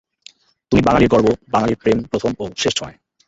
তুমি বাঙ্গালীর গর্ব, বাঙ্গালীর প্রেম প্রথম ও শেষ ছোঁয়ায়।